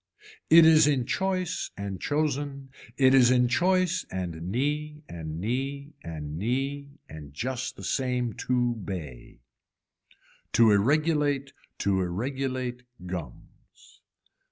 It is in choice and chosen, it is in choice and knee and knee and knee and just the same two bay. To irregulate to irregulate gums.